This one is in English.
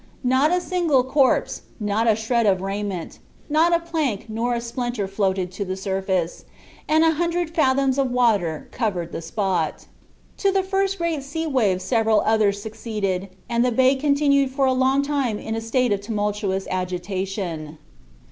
Not a single corpse, not a shred of raiment, not a plank nor a splinter floated to the surface, and a hundred fathoms of water covered the spot. To the first great sea wave several others succeeded, and the bay continued for a long time in a state of tumultuous agitation.